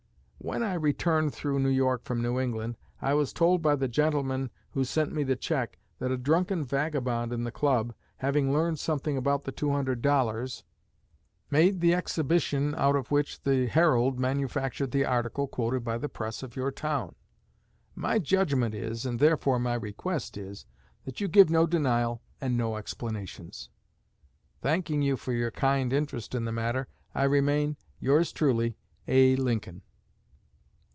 When I returned through New York from New England, I was told by the gentleman who sent me the check that a drunken vagabond in the club, having learned something about the $200, made the exhibition out of which the 'Herald' manufactured the article quoted by the 'Press' of your town. My judgment is, and therefore my request is, that you give no denial, and no explanations. Thanking you for your kind interest in the matter, I remain, Yours truly, A. LINCOLN.